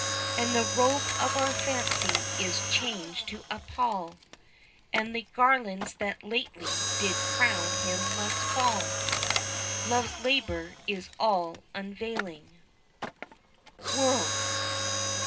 And the robe of our fancy is changed to a pall And the garlands that lately did crown him must fall; Love's labor is all unavailing. _World.